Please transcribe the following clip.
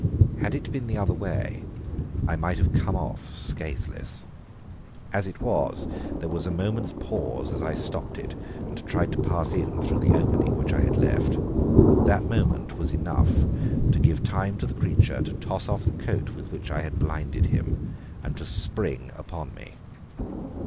Had it been the other way, I might have come off scathless. As it was, there was a moment's pause as I stopped it and tried to pass in through the opening which I had left. That moment was enough to give time to the creature to toss off the coat with which I had blinded him and to spring upon me.